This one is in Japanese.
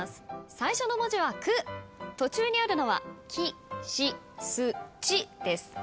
最初の文字は「く」途中にあるのは「き」「し」「す」「ち」です。